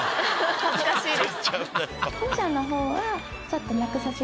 恥ずかしいです。